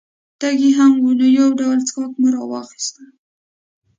تږي هم وو، نو یو ډول څښاک مو را واخیستل.